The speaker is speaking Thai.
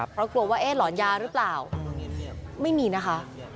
เพราะกลัวว่าเอ๊ะหลอนยาหรือเปล่าไม่มีนะคะ